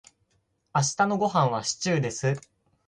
明日のごはんはシチューです。